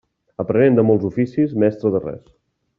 Aprenent de molts oficis, mestre de res.